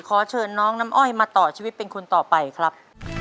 ขอเชิญน้องน้ำอ้อยมาต่อชีวิตเป็นคนต่อไปครับ